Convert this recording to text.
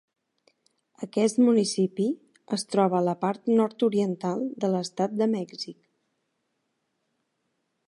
Aquest municipi es troba a la part nord-oriental de l'estat de Mèxic.